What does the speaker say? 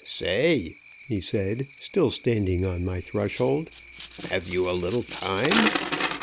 "Say," he said, still standing on my threshold, "have you a little time?"